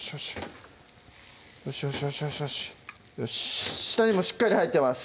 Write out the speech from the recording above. よしよしよしよしよし下にもしっかり入ってます